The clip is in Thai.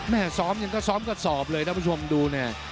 ซ้อมยังก็ซ้อมกระสอบเลยท่านผู้ชมดูเนี่ย